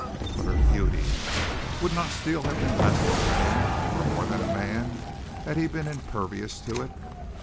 But her beauty! Would not Steele have been less than a man or more than a man had he been impervious to it?